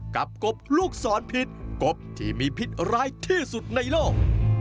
กบลูกศรพิษกบที่มีพิษร้ายที่สุดในโลก